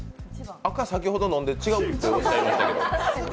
赤、先ほど飲んで違うとおっしゃいましたけど。